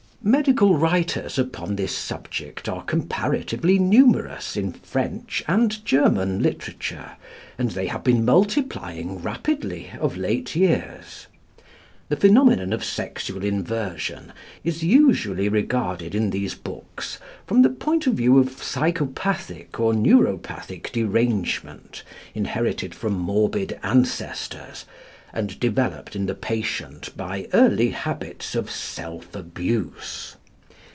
Medical writers upon this subject are comparatively numerous in French and German literature, and they have been multiplying rapidly of late years. The phenomenon of sexual inversion is usually regarded in these books from the point of view of psychopathic or neuropathic derangement, inherited from morbid ancestors, and developed in the patient by early habits of self abuse.